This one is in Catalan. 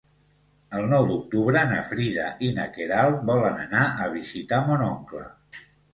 El nou d'octubre na Frida i na Queralt volen anar a visitar mon oncle.